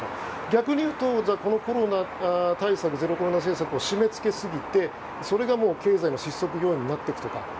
逆にいうとゼロコロナ政策を締め付けすぎて、それが経済の失速要因になっていくとか